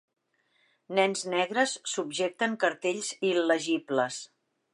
Nens negres subjecten cartells il·legibles.